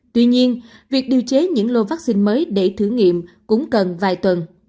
tuy nhiên việc điều chế những lô vaccine mới để thử nghiệm cũng cần vài tuần